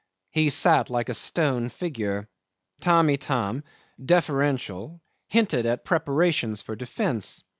He sat like a stone figure. Tamb' Itam, deferential, hinted at preparations for defence.